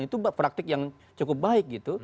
itu praktik yang cukup baik gitu